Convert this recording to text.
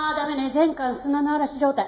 全館砂の嵐状態。